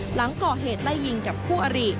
หลังก่อเหตุไล่ยิงกับคู่อริ